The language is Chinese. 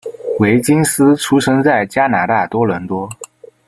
威金斯出生在加拿大多伦多。